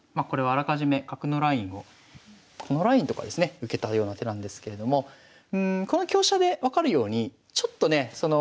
これはあらかじめ角のラインをこのラインとかですね受けたような手なんですけれどもこの香車で分かるようにちょっとね